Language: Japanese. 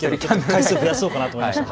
回数、増やそうかなと思いました。